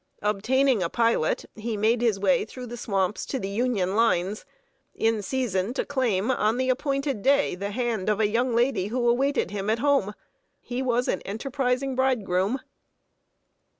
Obtaining a pilot, he made his way through the swamps to the Union lines, in season to claim, on the appointed day, the hand of a young lady who awaited him at home. He was an enterprising bridegroom.